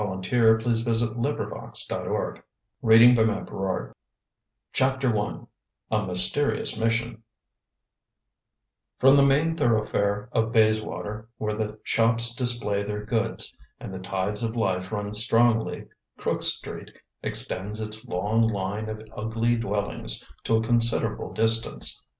A FURTHER EXPLANATION THE MIKADO JEWEL CHAPTER I A MYSTERIOUS MISSION From the main thoroughfare of Bayswater, where the shops display their goods and the tides of life run strongly, Crook Street extends its long line of ugly dwellings to a considerable distance.